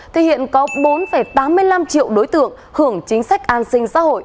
thì hiện có bốn tám mươi năm triệu đối tượng hưởng chính sách an sinh xã hội